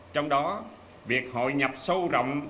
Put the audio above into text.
trong đó việc hội nhập sâu rộng